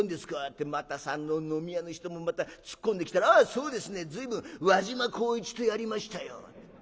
ってまたあの飲み屋の人も突っ込んできたら『あそうですね随分輪島功一とやりましたよ』。